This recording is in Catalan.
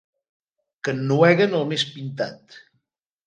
Que ennueguen el més pintat.